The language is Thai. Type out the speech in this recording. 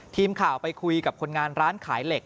ทีมข่าวไปคุยกับคนงานร้านขายเหล็ก